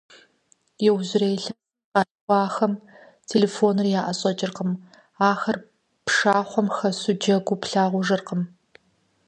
Иужьрей илъэсхэм къалъхуахэм телефоныр яӀэщӀэкӀыркъым, ахэр пшахъуэм хэсу джэгуу плъагъужыркъым.